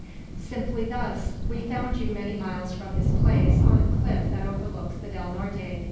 "Simply thus: we found you many miles from this place, on a cliff that overlooks the Del Norte.